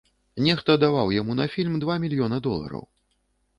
Нехта даваў яму на фільм два мільёна долараў.